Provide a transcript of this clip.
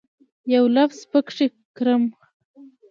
یو لفظ پکښې کرم